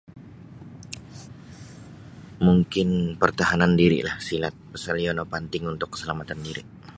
Mungkin pertahanan dirilah silat pasal iyo no panting untuk kasalamatan diri.